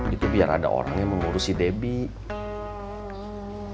itu biar ada orang yang mengurus si debbie